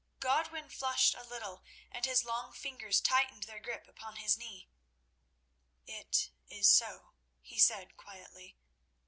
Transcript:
Godwin flushed a little, and his long fingers tightened their grip upon his knee. "It is so," he said quietly.